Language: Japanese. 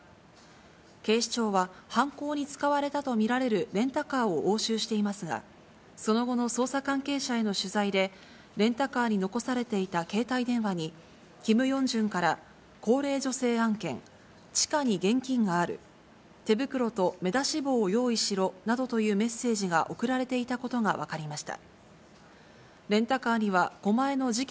警視庁は、犯行に使われたと見られるレンタカーを押収していますが、その後の捜査関係者への取材で、レンタカーに残されていた携帯電話に、キム・ヨンジュンから、高齢女性案件、地下に現金がある、手袋と目出し帽を用意しろなどというメッセージが送られていたことが分かりました。